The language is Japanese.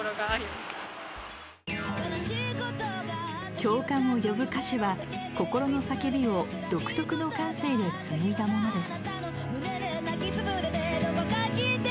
共感を呼ぶ歌詞は心の叫びを独特の感性で紡いだものです。